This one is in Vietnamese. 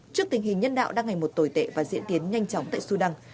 trước tình hình nhân đạo đang ngày một tồi tệ và diễn tiến nhanh chóng tại sudan